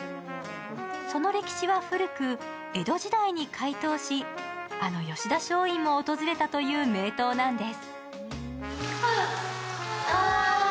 その歴史は古く、江戸時代に開湯しあの吉田松陰も訪れたという名湯なんです。